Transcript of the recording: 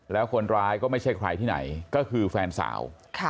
แล้วคนร้ายก็ไม่ใช่ใครที่ไหนก็คือแฟนสาว